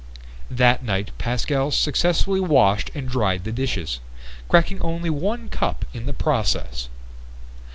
That night Pascal successfully washed and dried the dishes, cracking only one cup in the process.